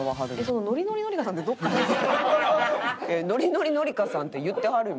「ノリノリノリカさん」って言ってはるよ